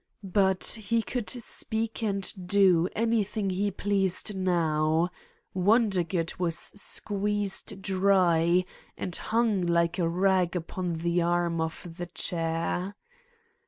But he could speak and do anything he pleased now: Wondergood was squeezed dry and hung like a rag upon the arm of the chair.